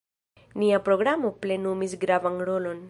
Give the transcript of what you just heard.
Nia programo plenumis gravan rolon.